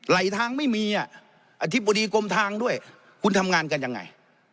ไหลทางไม่มีอธิบดีกรมทางด้วยคุณทำงานกันยังไง